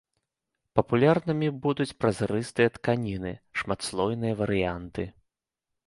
Папулярнымі будуць празрыстыя тканіны, шматслойныя варыянты.